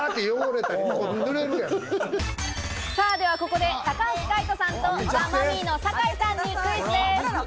では、ここで高橋海人さんとザ・マミィの酒井さんにクイズです。